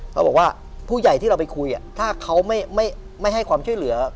เขาบอกว่าผู้ใหญ่ที่เราไปคุยถ้าเขาไม่ให้ความช่วยเหลือ